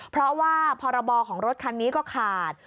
เพราะว่าพรบของรถคันนี้ก็ขาด